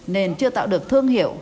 nên chưa tạo được thương hiệu